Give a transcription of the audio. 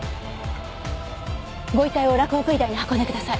御遺体を洛北医大に運んでください。